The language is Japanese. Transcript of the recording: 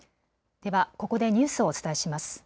ではここでニュースをお伝えします。